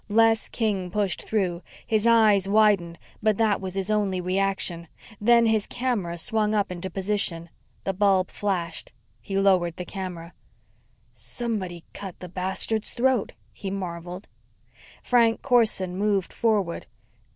Les King pushed through. His eyes widened, but that was his only reaction. Then his camera swung up into position. The bulb flashed. He lowered the camera. "Somebody cut the bastard's throat!" he marveled. Frank Corson moved forward.